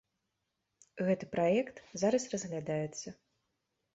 Гэты праект зараз разглядаецца.